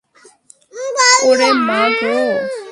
ওরে মা গো!